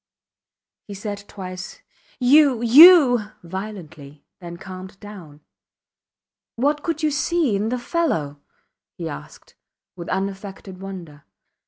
He said twice, You! You! violently, then calmed down. What could you see in the fellow? he asked, with unaffected wonder.